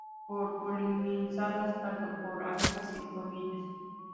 Son polinizadas tanto por las abejas y polillas.